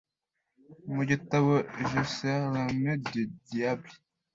mu gitabo j'ai serré la main du diable.